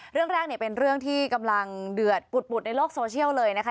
เรื่องแรกเนี่ยเป็นเรื่องที่กำลังเดือดปุดในโลกโซเชียลเลยนะคะ